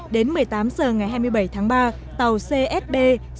đến một mươi tám h ngày hai mươi bảy tháng ba tàu csb sáu nghìn một